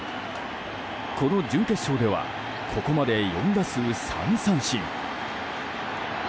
この準決勝ではここまで４打数３三振。